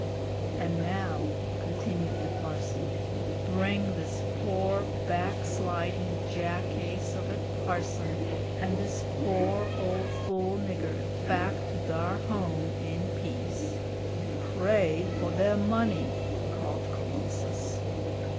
"An' now," continued the parson, "bring this pore, back slidin' jackace of a parson and this pore ole fool nigger back to thar home in peace!" "Pray fo' de money!" called Colossus.